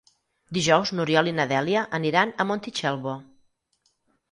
Dijous n'Oriol i na Dèlia aniran a Montitxelvo.